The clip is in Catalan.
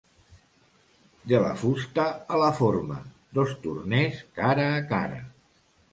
"De la fusta a la forma: dos torners cara a cara"